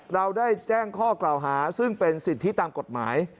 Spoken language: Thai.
เราได้แจ้งข้อกล่าวหาซึ่งเป็นสิทธิตามกฎหมาย